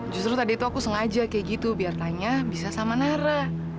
justru tadi itu aku sengaja kayak gitu biar tanya bisa sama nara